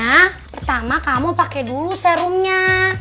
nah pertama kamu pakai dulu serumnya